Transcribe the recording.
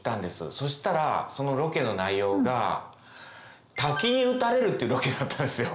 そしたらそのロケの内容が滝に打たれるっていうロケだったんですよ。